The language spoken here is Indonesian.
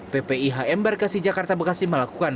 ppihm barkasi jakarta bekasi melakukan